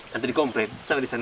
nanti di komplek sampai di sana